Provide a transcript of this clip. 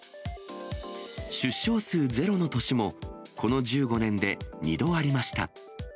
出生数ゼロの年も、この１５年で２度ありました。